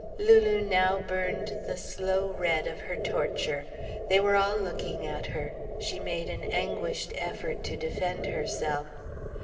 Lulu now burned the slow red of her torture. They were all looking at her. She made an anguished effort to defend herself.